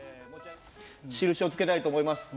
印をつけたいと思います。